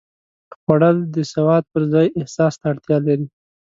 خوړل د سواد پر ځای احساس ته اړتیا لري